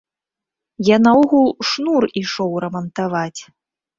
Я наогул шнур ішоў рамантаваць.